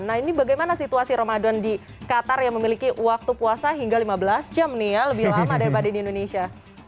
nah ini bagaimana situasi ramadan di qatar yang memiliki waktu puasa hingga lima belas jam nih ya lebih lama daripada di indonesia